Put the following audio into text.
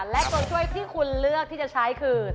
และตัวช่วยที่คุณเลือกที่จะใช้คือ